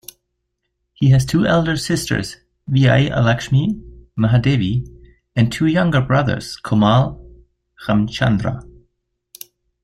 He has two elder sisters Vijayalakshmi, Mahadevi and two younger brothers Komal, Ramchandra.